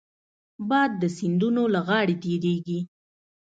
باد د سیندونو له غاړې تېرېږي